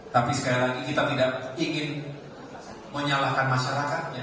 tapi sekali lagi kita tidak ingin menyalahkan masyarakatnya